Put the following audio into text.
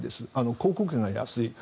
航空券が安い。